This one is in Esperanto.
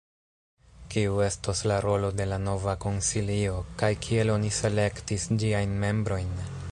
Kiu estos la rolo de la nova konsilio, kaj kiel oni selektis ĝiajn membrojn?